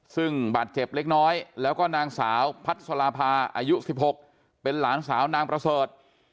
ซึ่งบาดเจ็บเล็กน้อยแล้วก็นางสาวพัสราภาอายุ๑๖เป็นหลานสาวนางประเสริฐ